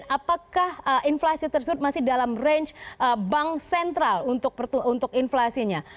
apakah inflasi tersebut masih dalam range bank sentral untuk inflasinya